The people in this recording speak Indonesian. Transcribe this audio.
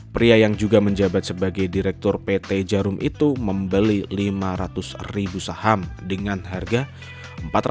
pria yang juga menjabat sebagai direktur pt jarum itu membeli rp lima ratus saham dan mencapai rp enam puluh